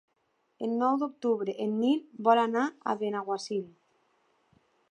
El nou d'octubre en Nil vol anar a Benaguasil.